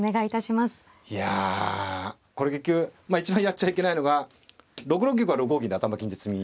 いやこれ結局一番やっちゃいけないのが６六玉は６五金で頭金で詰み。